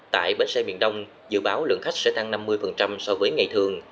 tại bến xe miền đông dự báo lượng khách sẽ tăng năm mươi so với ngày thường